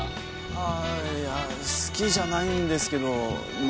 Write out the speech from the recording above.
ああいや好きじゃないんですけどま